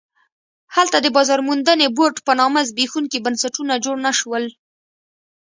هلته د بازار موندنې بورډ په نامه زبېښونکي بنسټونه جوړ نه شول.